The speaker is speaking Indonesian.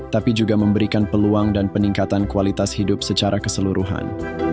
tapi juga memberikan peluang dan peningkatan kualitas hidup secara keseluruhan